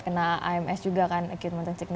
sesaat lagi dalam insight